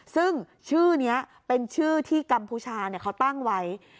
ซึ่งชื่อนี้เป็นชื่อที่กัมพูชาเขาตั้งไว้